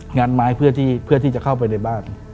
งานไม้เพื่อที่จะเข้าไปในบ้าน